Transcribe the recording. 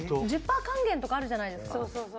１０％還元とかあるじゃないですか。